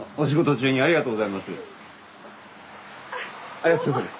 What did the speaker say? ありがとうございます。